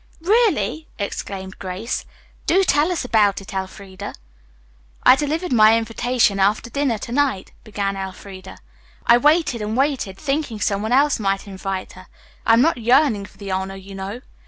"Really!" exclaimed Grace. "Do tell us about it, Elfreda." "I delivered my invitation after dinner to night," began Elfreda. "I waited and waited, thinking some one else might invite her. I am not yearning for the honor, you know.